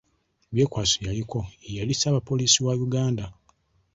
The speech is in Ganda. Byekwaso yaliko ye yali ssaabapoliisi wa Uganda.